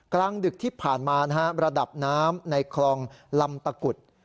กลางดึกที่ผ่านมานะฮะระดับน้ำในคลองลำตะกุด